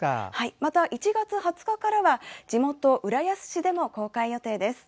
また、１月２０日からは地元・浦安市でも公開予定です。